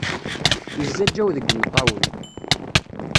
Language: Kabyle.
Yeẓaǧǧaw deg imeṭṭawen.